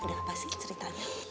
gak apa sih ceritanya